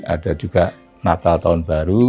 ada juga natal tahun baru